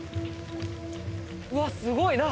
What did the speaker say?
うわっすごい！